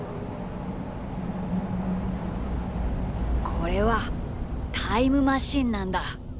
これはタイムマシンなんだ。